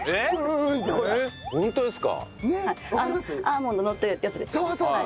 アーモンドのってるやつですよね。